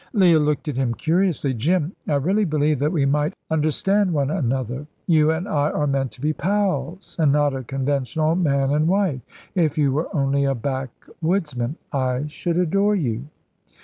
Leah looked at him curiously. "Jim, I really believe that we might understand one another. You and I are meant to be pals, and not a conventional man and wife. If you were only a backwoodsman I should adore you."